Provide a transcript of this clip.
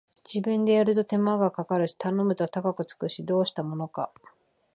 自分でやると手間かかるし頼むと高くつくし、どうしたものか